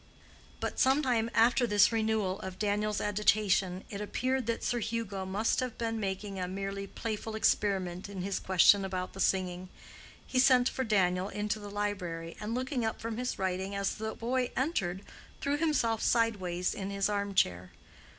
But some time after this renewal of Daniel's agitation it appeared that Sir Hugo must have been making a merely playful experiment in his question about the singing. He sent for Daniel into the library, and looking up from his writing as the boy entered threw himself sideways in his arm chair.